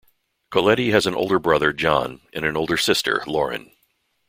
Colletti has an older brother John, and an older sister Lauren.